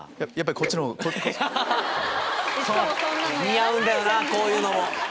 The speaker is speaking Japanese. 似合うんだよなこういうのも。